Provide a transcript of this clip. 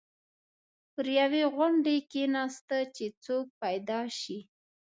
پر یوې غونډۍ کېناسته چې څوک پیدا شي.